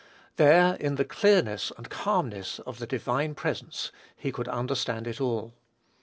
There, in the clearness and calmness of the divine presence, he could understand it all.